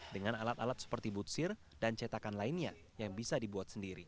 dengan alat alat seperti butsir dan cetakan lainnya yang bisa dibuat sendiri